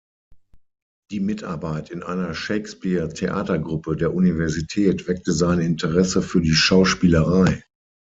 Die Mitarbeit in einer Shakespeare-Theatergruppe der Universität weckte sein Interesse für die Schauspielerei.